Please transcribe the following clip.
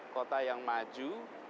kota yang maju